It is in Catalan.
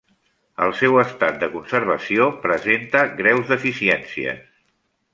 El seu estat de conservació presenta greus deficiències.